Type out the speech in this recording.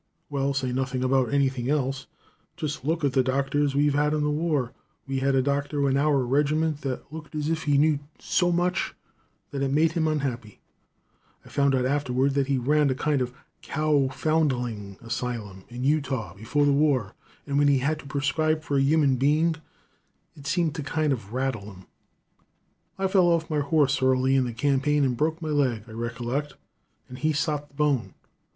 "Well, say nothing about anything else, just look at the doctors we had in the war. We had a doctor in our regiment that looked as if he knew so much that it made him unhappy. I found out afterward that he ran a kind of cow foundling asylum, in Utah before the war, and when he had to prescribe for a human being, it seemed to kind of rattle him. "I fell off'n my horse early in the campaign and broke my leg, I rickolect, and he sot the bone.